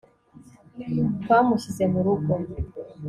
twamushyize mu rugo